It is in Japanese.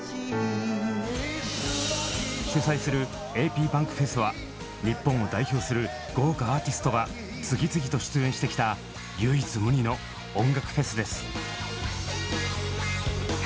主催する「ａｐｂａｎｋｆｅｓ」は日本を代表する豪華アーティストが次々と出演してきた唯一無二の音楽フェスです。